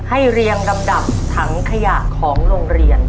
เรียงลำดับถังขยะของโรงเรียน